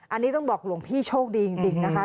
อันนี้ต้องบอกหลวงพี่โชคดีจริงนะคะ